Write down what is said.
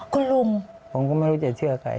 คุณลุงผมก็ไม่รู้จะเชื่อใคร